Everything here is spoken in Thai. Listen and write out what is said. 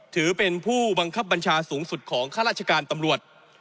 ถือเป็นผู้บังคับบัญชาสูงสุดของข้าราชการตำรวจ